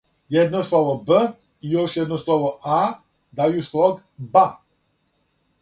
једно слово б, и још једно слово а, дају слог ба.